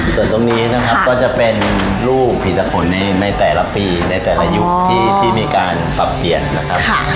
ส่วนตรงนี้นะครับก็จะเป็นลูกผีละขนในแต่ละปีในแต่ละยุคที่มีการปรับเปลี่ยนนะครับ